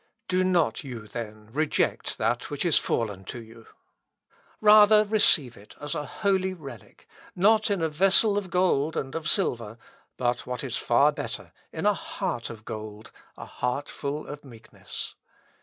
Do not you, then, reject that which is fallen to you. Rather receive it as a holy relic, not in a vessel of gold and of silver, but what is far better, in a heart of gold a heart full of meekness.